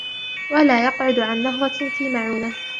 وَلَا يَقْعُدُ عَنْ نَهْضَةٍ فِي مَعُونَةٍ